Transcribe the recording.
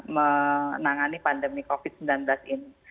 menangani pandemi covid sembilan belas ini